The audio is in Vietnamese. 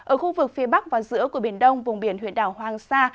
ở khu vực phía bắc và giữa của biển đông vùng biển huyện đảo hoàng sa